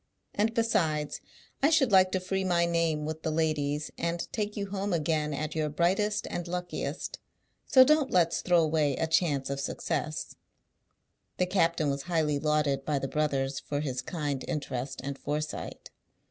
And besides, I should like to free my name with the ladies, and take you home again at your brightest and luckiest; so don't let's throw away a chance of success." The captain was highly lauded by the brothers for his kind interest and foresight.